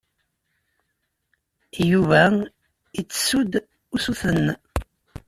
Yuba ittessu-d usuten.